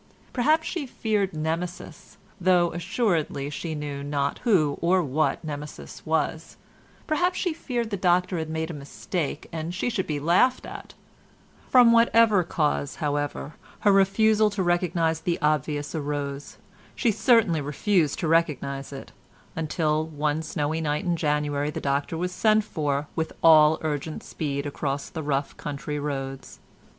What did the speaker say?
Perhaps she feared Nemesis, though assuredly she knew not who or what Nemesis was; perhaps she feared the doctor had made a mistake and she should be laughed at; from whatever cause, however, her refusal to recognise the obvious arose, she certainly refused to recognise it, until one snowy night in January the doctor was sent for with all urgent speed across the rough country roads.